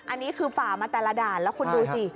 อันนี้คือฝ่ามาแต่ละด่านแล้วคุณดูสิ